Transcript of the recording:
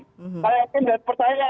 saya yakin dan percaya